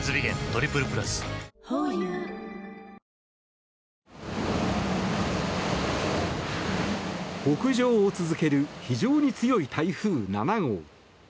ホーユー北上を続ける非常に強い台風７号。